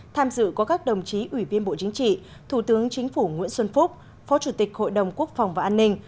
tham dự có các đồng chí ủy viên bộ chính trị thủ tướng chính phủ nguyễn xuân phúc phó chủ tịch hội đồng quốc phòng và an ninh